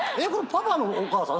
パパのお母さん？